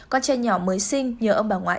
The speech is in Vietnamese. con trai nhỏ mới sinh nhờ ông bà ngoại